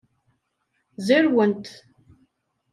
Zerwen-t.